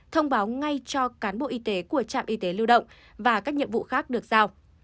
thông báo ngay cho cán bộ y tế của trạm y tế lưu động và các nhiệm vụ khác được giao